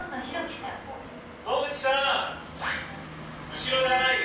後ろじゃないよ